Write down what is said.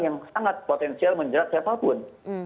yang sangat potensial menjerat siapapun